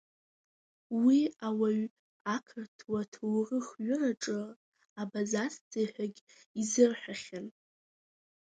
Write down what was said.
Уи ауаҩ ақырҭуа-ҭоурыхҩыраҿы абазасӡе ҳәагь изырҳәахьан.